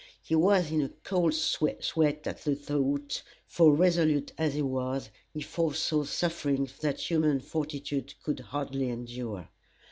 He was in a cold sweat at the thought, for resolute as he was, he foresaw sufferings that human fortitude could hardly endure.